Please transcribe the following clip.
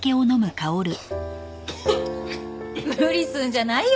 無理すんじゃないよ